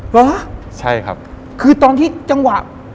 เหรอใช่ครับคือตอนที่จังหวะ